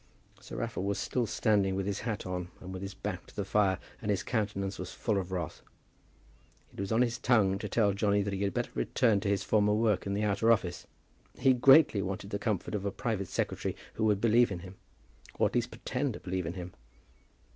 Sir Raffle was still standing with his hat on, and with his back to the fire, and his countenance was full of wrath. It was on his tongue to tell Johnny that he had better return to his former work in the outer office. He greatly wanted the comfort of a private secretary who would believe in him or at least pretend to believe in him.